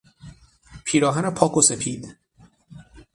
پیراهن پاک و سپید